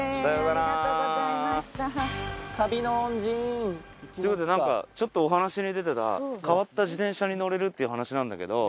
旅の恩人。ということでなんかちょっとお話に出てた変わった自転車に乗れるっていう話なんだけど。